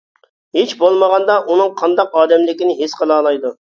ھېچ بولمىغاندا ئۇنىڭ قانداق ئادەملىكىنى ھېس قىلالايدۇ.